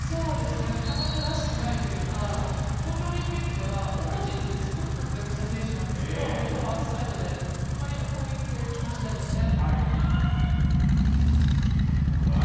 彼女らしくないというか東京オリンピックではオポジットですごく活躍した選手なんですけど今日はアウトサイドで、あまり攻撃で機能していないですね。